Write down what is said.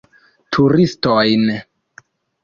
Turistojn.